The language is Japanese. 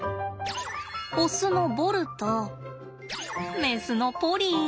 オスのボルとメスのポリー。